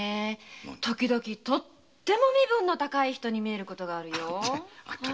時々とっても身分の高い人に見えることがあるよ。